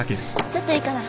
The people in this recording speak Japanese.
ちょっといいかな？